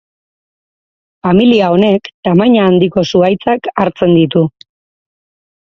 Familia honek tamaina handiko zuhaitzak hartzen ditu.